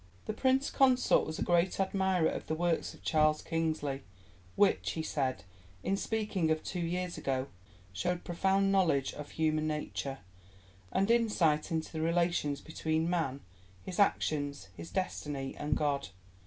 [Footnote 7: The Prince Consort was a great admirer of the works of Charles Kingsley, which, he said, in speaking of Two Years Ago, showed "profound knowledge of human nature, and insight into the relations between man, his actions, his destiny, and God."